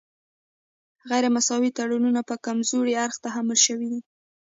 غیر مساوي تړونونه په کمزوري اړخ تحمیل شوي دي